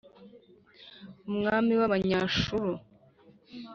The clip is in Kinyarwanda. umwami w’Abanyashuru,